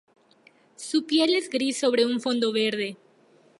Su piel es gris sobre un fondo verde.